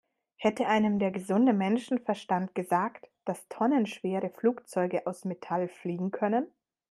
Hätte einem der gesunde Menschenverstand gesagt, dass tonnenschwere Flugzeuge aus Metall fliegen können?